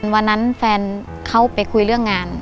วันนั้นแฟนเขาไปคุยเรื่องงาน